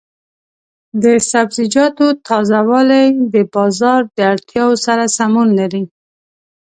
د سبزیجاتو تازه والي د بازار د اړتیاوو سره سمون لري.